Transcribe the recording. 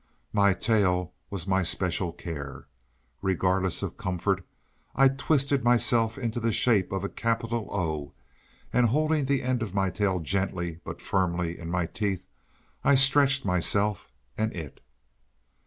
My tail was my special care. Regardless of comfort, I twisted myself into the shape of a capital O, and, holding the end of my tail gently, but firmly, in my teeth, I stretched myself and it.